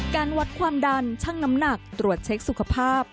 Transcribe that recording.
การวัดความดันช่างน้ำหนักตรวจเช็คสุขภาพ